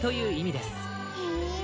へえ！